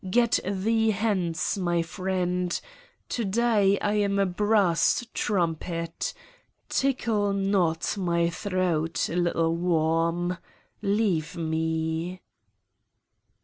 Get thee hence, my friend. To day I am a brass trum pet. Tickle not my throat, little worm. Leave me.